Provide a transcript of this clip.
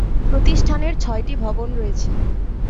প্রতিষ্ঠানের ছয়টি ভবন রয়েছে।